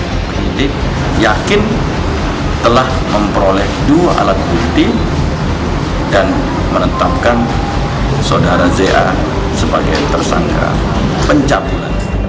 jadi yakin telah memperoleh dua alat bukti dan menetapkan saudara za sebagai tersangka pencapulan